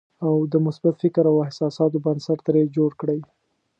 او د مثبت فکر او احساساتو بنسټ ترې جوړ کړئ.